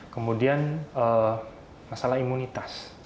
kemudian masalah imunitas